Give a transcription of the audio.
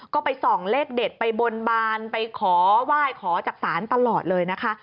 ก็ไปส่องเลขเด็ดไปบนบานไปขอไหว้ขอจากศาลตลอดเลยนะคะ